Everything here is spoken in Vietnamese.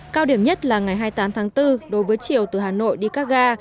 cao điểm nhất là ngày hai mươi tám tháng bốn đối với chiều từ hà nội đi các ga